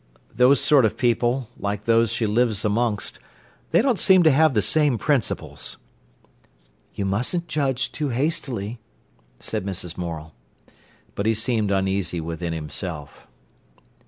Those sort of people, like those she lives amongst, they don't seem to have the same principles." "You mustn't judge too hastily," said Mrs. Morel. But he seemed uneasy within himself.